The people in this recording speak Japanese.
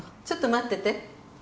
ちょっと待ってて。